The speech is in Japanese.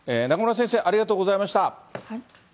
中村先生、ありがとうございました。